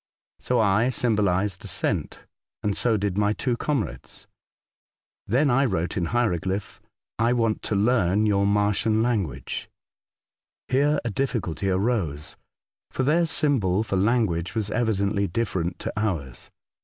So I symbohsed assent, and so did my two comrades. Then I wrote in hieroglyph, '' I want to learn your Martian language." Here a difficulty arose, for their symbol for language was evi dently different to ours.